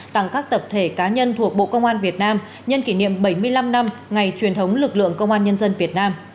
tặng các tập thể cá nhân thuộc bộ công an việt nam nhân kỷ niệm bảy mươi năm năm ngày truyền thống lực lượng công an nhân dân việt nam